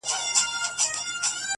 د انغري له خوانه خړې سونډې بيا راغلله-